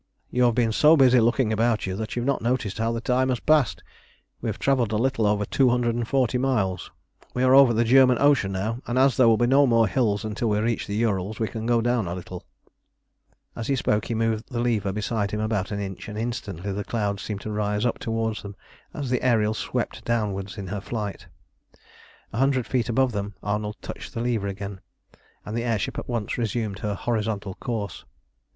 You have been so busy looking about you that you have not noticed how the time has passed. We have travelled a little over two hundred and forty miles. We are over the German Ocean now, and as there will be no more hills until we reach the Ourals we can go down a little." As he spoke he moved the lever beside him about an inch, and instantly the clouds seemed to rise up toward them as the Ariel swept downwards in her flight. A hundred feet above them Arnold touched the lever again, and the air ship at once resumed her horizontal course.